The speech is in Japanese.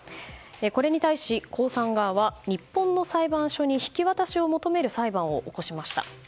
これに対し江さん側は、日本の裁判所に引き渡しを求める裁判を起こしました。